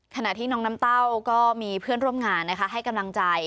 ขณะที่น้องน้ำเต้าก็มีเพื่อนร่วมงานนะคะให้กำลังใจ